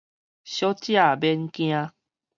小姐免驚